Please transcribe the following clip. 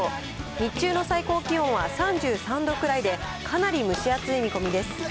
日中の最高気温は３３度くらいで、かなり蒸し暑い見込みです。